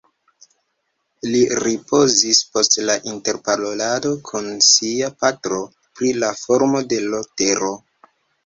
Li ripozis post la interparolado kun sia patro pri la formo de l' tero